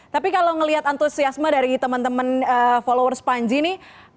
tapi kalau ngelihat antusiasme dari temen temen followers panji ini